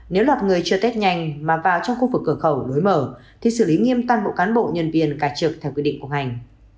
nếu loạt người chưa test nhanh mà vào trong khu vực cửa khẩu lối mở thì xử lý nghiêm toàn bộ cán bộ nhân viên cả trực theo quy định công hành